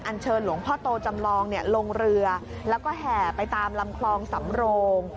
เชิญหลวงพ่อโตจำลองลงเรือแล้วก็แห่ไปตามลำคลองสำโรง